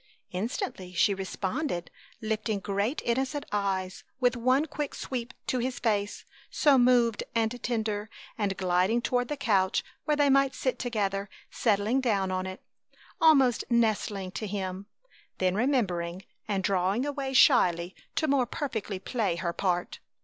Instantly she responded, lifting great innocent eyes, with one quick sweep, to his face, so moved and tender; and gliding toward the couch where they might sit together, settling down on it, almost nestling to him, then remembering and drawing away shyly to more perfectly play her part.